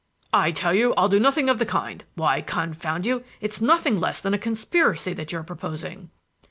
"I tell you I'll do nothing of the kind! Why, confound you, it's nothing less than a conspiracy that your [Transcriber's note: you're?] proposing!"